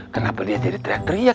kenapa dia jadi teriak teriak